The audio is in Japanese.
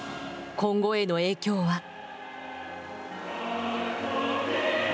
今後への影響は。